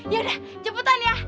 yaudah cepetan ya